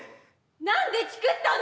何でチクったの？